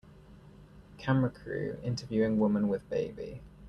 Camera crew interviewing woman with baby.